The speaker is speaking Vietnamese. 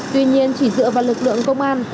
tuy nhiên chỉ dựa vào lực lượng công an